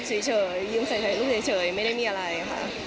เฉยยืมใส่ลูกเฉยไม่ได้มีอะไรค่ะ